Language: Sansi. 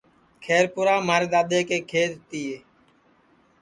کھیر پُورام مھارے دؔادؔے کے کھیت تِئے